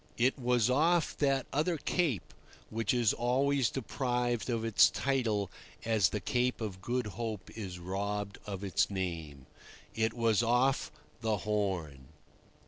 It was off that other cape which is always deprived of its title as the Cape of Good Hope is robbed of its name. It was off the Horn.